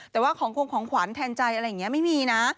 แต่ว่าของคงของขวัญแทนใจอะไรอย่างนี้ไม่มีนะ